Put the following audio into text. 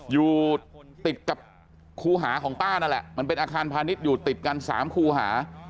อยู่ติดกับครูหาของป้านั่นแหละมันเป็นอาคารพาณิชย์อยู่ติดกัน๓คูหา